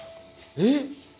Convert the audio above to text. えっ？